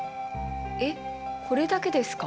えっこれだけですか？